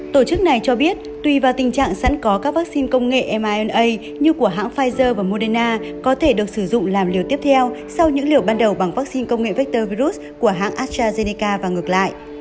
tổ chức này cho biết tùy vào tình trạng sẵn có các vaccine công nghệ myna như của hãng pfizer và moderna có thể được sử dụng làm liều tiếp theo sau những liều ban đầu bằng vaccine công nghệ vector virus của hãng astrazeneca và ngược lại